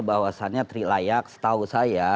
bahwasannya trilayak setahu saya